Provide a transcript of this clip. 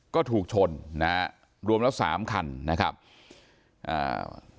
ก็ถูกชนนะฮะรวมแล้วสามคันนะครับอ่า